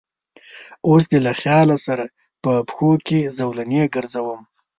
اوس دې له خیال سره په پښو کې زولنې ګرځوم